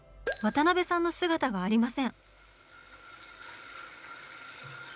渡辺さんの姿がありません。